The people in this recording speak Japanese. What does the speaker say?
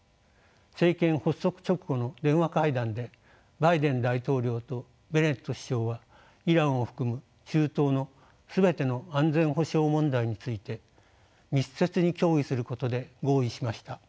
政権発足直後の電話会談でバイデン大統領とベネット首相はイランを含む中東の全ての安全保障問題について密接に協議することで合意しました。